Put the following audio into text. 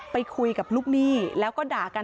ไปคุยกับลูกหนี้แล้วก็ด่ากัน